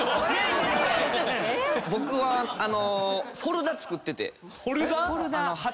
僕はフォルダ作ってて。